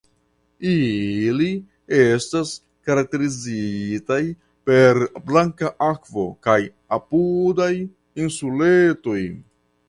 Ili estas karakterizitaj per blanka akvo kaj apudaj insuletoj.